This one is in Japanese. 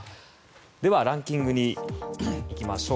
ではランキングに行きましょう。